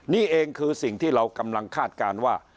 นี่เองคือสิ่งที่เรากำลังคาดการณ์ว่า